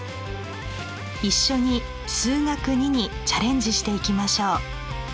一緒に数学Ⅱにチャレンジしていきましょう。